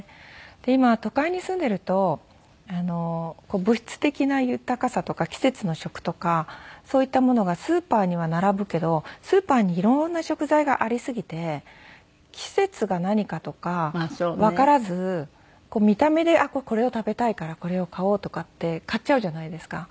で今都会に住んでいると物質的な豊かさとか季節の食とかそういったものがスーパーには並ぶけどスーパーに色んな食材がありすぎて季節が何かとかわからず見た目でこれを食べたいからこれを買おうとかって買っちゃうじゃないですか。